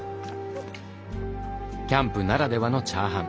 キャンプならではのチャーハン。